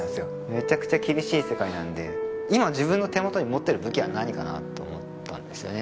めちゃくちゃ厳しい世界なんで今自分の手元に持ってる武器は何かなと思ったんですよね